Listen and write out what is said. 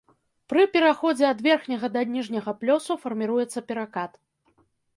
Пры пераходзе ад верхняга да ніжняга плёсу фарміруецца перакат.